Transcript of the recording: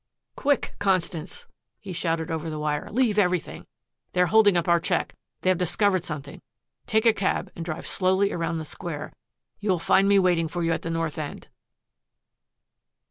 "Quick, Constance," he shouted over the wire, "leave everything. They are holding up our check. They have discovered something. Take a cab and drive slowly around the square. You will find me waiting for you at the north end."